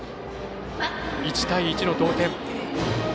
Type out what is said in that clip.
１対１の同点。